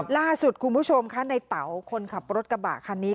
ล่าสุดคุณผู้ชมค่ะในเต๋าคนขับรถกระบะคันนี้